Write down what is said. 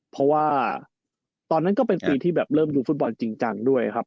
เพราะว่าตอนนั้นก็เป็นปีที่แบบเริ่มดูฟุตบอลจริงจังด้วยครับ